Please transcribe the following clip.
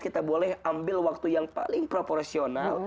kita boleh ambil waktu yang paling proporsional